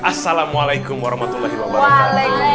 assalamualaikum warahmatullahi wabarakatuh